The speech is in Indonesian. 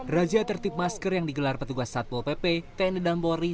razia tertip masker yang digelar petugas satpol pp tni dan polri